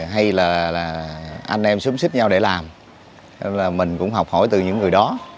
hay là anh em xúm xích nhau để làm mình cũng học hỏi từ những người đó